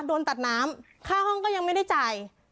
โดนตัดน้ำค่าห้องก็ยังไม่ได้จ่าย